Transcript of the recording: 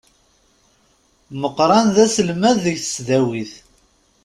Meqran d aselmad deg tesdawit.